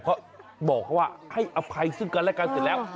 เขาบอกเขาว่าให้อภัยซึ่งกันและกันเสร็จแล้ว